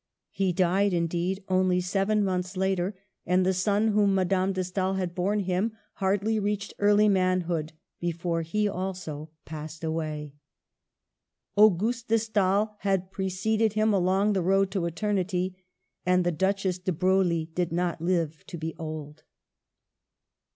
He died, in deed, only seven months later, and the son whom Madame de Stael had borne him hardly reached early manhood before he also passed away. Auguste de StaeL had preceded him along the road to eternity, and the Duchess de Broglie did not live to be old.